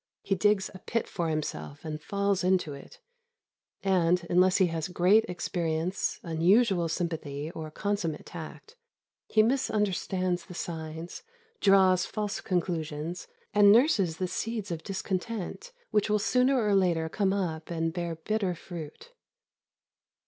He digs a pit for himself and falls into it, and, unless he has great experience, unusual sympathy, or consummate tact, he misunderstands the signs, draws false conclusions, and nurses the seeds of discontent which will sooner or later come up and bear bitter fruit.